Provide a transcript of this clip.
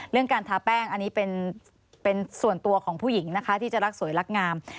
การทาแป้งอันนี้เป็นส่วนตัวของผู้หญิงนะคะที่จะรักสวยรักงาม